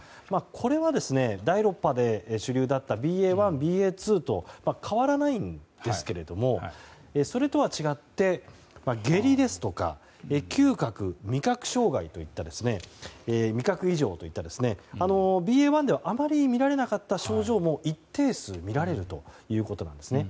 これは第６波で主流だったＢＡ．１、ＢＡ．２と変わらないんですけどもそれとは違って、下痢ですとか嗅覚・味覚異常といったＢＡ．１ではあまり見られなかった症状も一定数見られるということです。